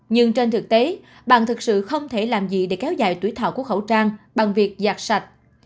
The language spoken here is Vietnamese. nhưng trên thực tế bạn thực sự không thể làm gì để kéo dài tuổi thọ của khẩu trang bằng việc giặt sạch